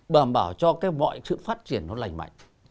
đảm bảo cho cái mọi sự phát triển nó lành mạnh